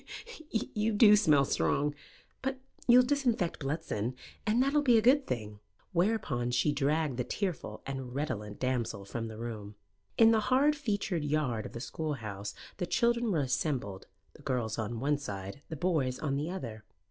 "You do smell strong. But you'll disinfect Bludston, and that will be a good thing." Whereupon she dragged the tearful and redolent damsel from the room. In the hard featured yard of the schoolhouse the children were assembled the girls on one side, the boys on the other.